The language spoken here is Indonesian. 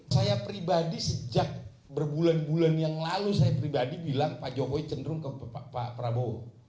saya pribadi sejak berbulan bulan yang lalu saya pribadi bilang pak jokowi cenderung ke pak prabowo